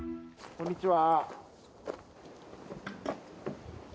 こんにちは。